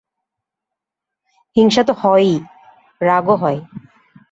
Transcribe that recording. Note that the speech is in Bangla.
হিংসা তো হয়ই, রাগও হয়।